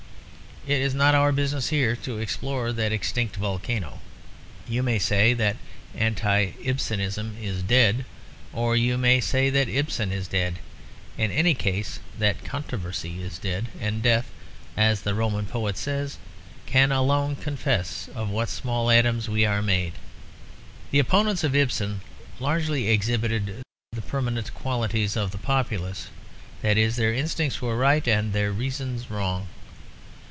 It is not our business here to explore that extinct volcano. You may say that anti Ibsenism is dead, or you may say that Ibsen is dead; in any case, that controversy is dead, and death, as the Roman poet says, can alone confess of what small atoms we are made. The opponents of Ibsen largely exhibited the permanent qualities of the populace; that is, their instincts were right and their reasons wrong.